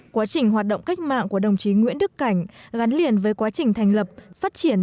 quá trình hoạt động cách mạng của đồng chí nguyễn đức cảnh gắn liền với quá trình thành lập phát triển